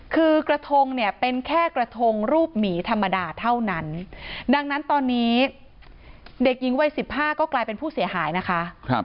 คือกระทงเนี่ยเป็นแค่กระทงรูปหมีธรรมดาเท่านั้นดังนั้นตอนนี้เด็กหญิงวัย๑๕ก็กลายเป็นผู้เสียหายนะคะ